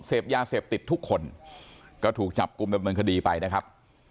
เสพยาเสพติดทุกคนก็ถูกจับกลุ่มดำเนินคดีไปนะครับ